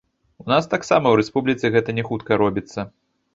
У нас таксама ў рэспубліцы гэта не хутка робіцца.